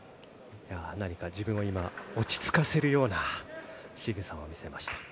何か自分を今、落ち着かせるようなしぐさを見せました。